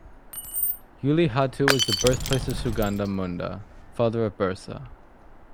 Ulihatu was the birthplace of Sugana Munda, father of Birsa.